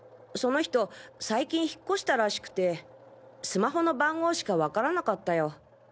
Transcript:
その人最近引っ越したらしくてスマホの番号しかわからなかったよ。